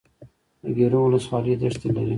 د ګیرو ولسوالۍ دښتې لري